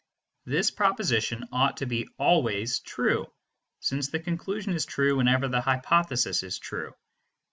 This proposition ought to be always true, since the conclusion is true whenever the hypothesis is true.